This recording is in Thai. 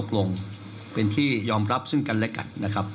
คุณหมอชนหน้าเนี่ยคุณหมอชนหน้าเนี่ย